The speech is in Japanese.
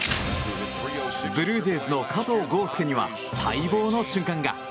ブルージェイズの加藤豪将には待望の瞬間が。